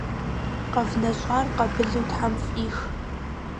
КъэвнэщӀар къабылу тхьэм фӀих.